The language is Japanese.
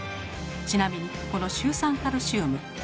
ちなみにこのシュウ酸カルシウム。